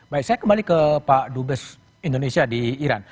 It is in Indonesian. baik saya kembali ke pak dubes indonesia di iran